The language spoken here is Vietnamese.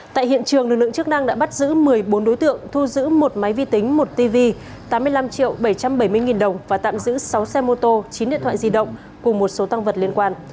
tại hiện trường lực lượng chức năng đã bắt giữ một mươi bốn đối tượng thu giữ một máy vi tính một tv tám mươi năm triệu bảy trăm bảy mươi nghìn đồng và tạm giữ sáu xe mô tô chín điện thoại di động cùng một số tăng vật liên quan